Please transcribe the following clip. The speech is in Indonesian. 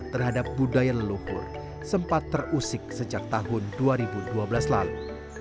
terhadap budaya leluhur sempat terusik sejak tahun dua ribu dua belas lalu